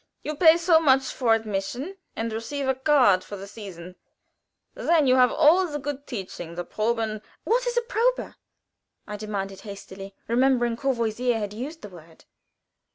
You pay so much for admission, and receive a card for the season. Then you have all the good teaching the Proben." "What is a Probe?" I demanded, hastily, remembering that Courvoisier had used the word.